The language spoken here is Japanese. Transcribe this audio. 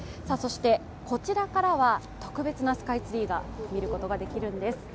こちらからは特別なスカイツリーを見ることができるんです。